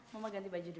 mama ganti baju dulu